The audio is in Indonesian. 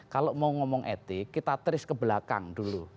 kalau mau ngomong etik kita teris ke belakang dulu